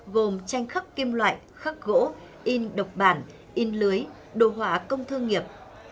gồm tranh khắc kim loại khắc gỗ in độc bản in lưới đồ họa công thương nghiệp